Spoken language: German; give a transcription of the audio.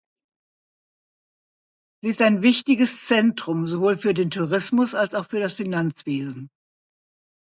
Sie ist ein wichtiges Zentrum sowohl für den Tourismus als auch für das Finanzwesen.